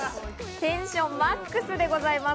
テンションＭＡＸでございます。